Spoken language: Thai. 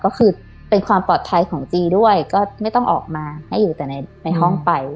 ก็คือเป็นความปลอดภัยของจีด้วยก็ไม่ต้องออกมาให้อยู่แต่ในห้องไป